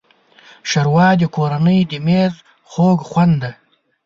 ښوروا د کورنۍ د مېز خوږ خوند دی.